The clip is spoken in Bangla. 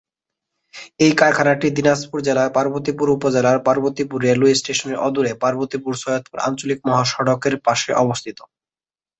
এই কারখানাটি দিনাজপুর জেলার পার্বতীপুর উপজেলার পার্বতীপুর রেলওয়ে স্টেশনের অদূরে পার্বতীপুর-সৈয়দপুর আঞ্চলিক মহাসড়কের পাশে অবস্থিত।